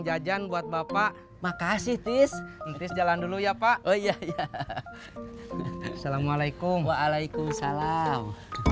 jajan buat bapak makasih tis inggris jalan dulu ya pak oh iya ya assalamualaikum waalaikumsalam